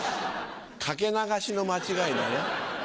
「掛け流し」の間違いだよ。